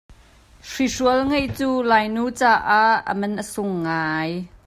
Hrihrual ngeih cu Lainu caah a man a sung ngai.